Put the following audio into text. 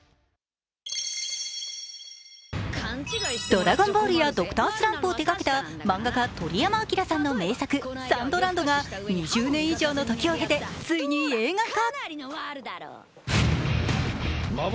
「ドラゴンボール」や「Ｄｒ．スランプ」を手がけた漫画家・鳥山明さんの名作「ＳＡＮＤＬＡＮＤ」が２０年以上の時を経て、ついに映画化。